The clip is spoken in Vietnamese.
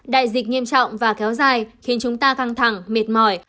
đại dịch nghiêm trọng và kéo dài khiến chúng ta căng thẳng mệt mỏi